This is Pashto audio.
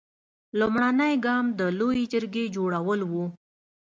لومړنی ګام د لویې جرګې جوړول و.